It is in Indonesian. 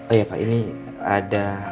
oh iya pak ini ada